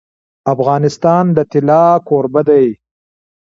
افغانستان د طلا کوربه دی.